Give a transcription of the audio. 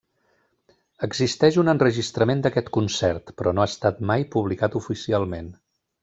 Existeix un enregistrament d'aquest concert, però no ha estat mai publicat oficialment.